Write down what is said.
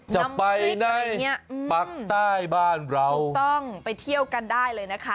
จะไปในปากใต้บ้านเราถูกต้องไปเที่ยวกันได้เลยนะคะ